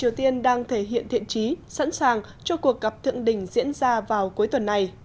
triều tiên đang thể hiện thiện trí sẵn sàng cho cuộc gặp thượng đỉnh diễn ra vào cuối tuần này